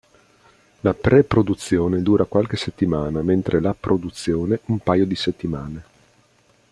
La pre-produzione dura qualche settimana, mentre la produzione un paio di settimane.